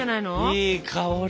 いい香り！